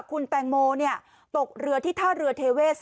คุณแตงโมตกเรือที่ท่าเรือเทเวศ